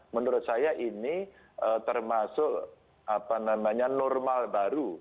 menurut saya ini termasuk apa namanya normal baru